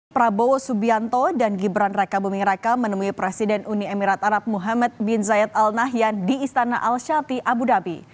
prabowo subianto dan gibran raka buming raka menemui presiden uni emirat arab muhammad bin zayed al nahyan di istana al shati abu dhabi